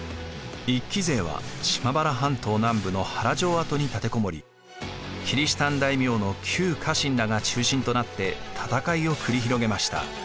一揆勢は島原半島南部の原城跡に立てこもりキリシタン大名の旧家臣らが中心となって戦いを繰り広げました。